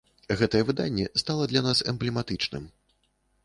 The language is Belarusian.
Гэтае выданне стала для нас эмблематычным.